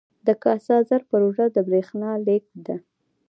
د کاسا زر پروژه د بریښنا لیږد ده